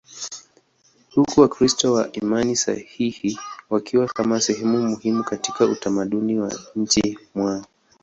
huku Wakristo wa imani sahihi wakiwa kama sehemu muhimu katika utamaduni wa nchini mwao.